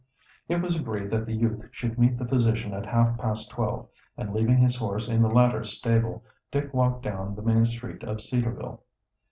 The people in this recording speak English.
It was agreed that the youth should meet the physician at half past twelve, and leaving his horse in the latter's stable, Dick walked down the main street of Cedarville.